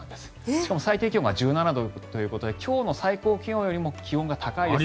しかも最低気温が１７度ということで今日の最高気温よりも気温が高いです。